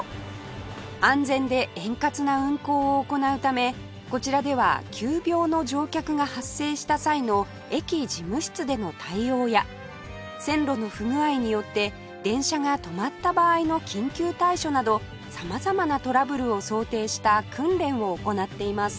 安全で円滑な運行を行うためこちらでは急病の乗客が発生した際の駅事務室での対応や線路の不具合によって電車が止まった場合の緊急対処など様々なトラブルを想定した訓練を行っています